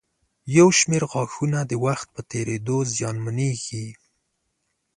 یو شمېر غاښونه د وخت په تېرېدو زیانمنېږي.